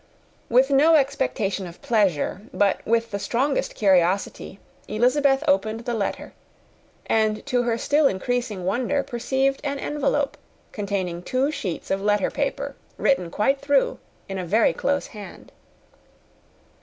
With no expectation of pleasure, but with the strongest curiosity, Elizabeth opened the letter, and to her still increasing wonder, perceived an envelope containing two sheets of letter paper, written quite through, in a very close hand.